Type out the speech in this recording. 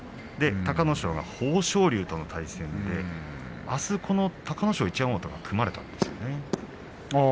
隆の勝が豊昇龍との対戦であす、この隆の勝、一山本が組まれたんですね。